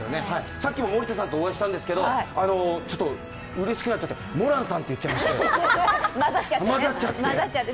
さっき森田さんにお会いしたんですけど、うれしくなってモランさんって言っちゃいましたよ、混ざっちゃって。